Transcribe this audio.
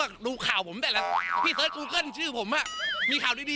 ก็ดูข่าวผมแต่ละพี่เสิร์ชอูเกิ้ลชื่อผมมีข่าวดี